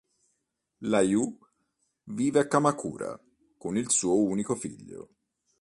La Yū vive a Kamakura con il suo unico figlio.